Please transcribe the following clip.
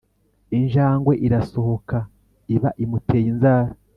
injangwe irasohoka iba imuteye inzara.